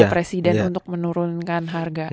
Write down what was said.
presiden untuk menurunkan harga